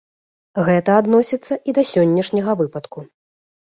Гэта адносіцца і да сённяшняга выпадку.